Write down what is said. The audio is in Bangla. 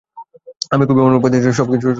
আমি খুবই অনুপ্রাণিত সবকিছু দেখে শুনে।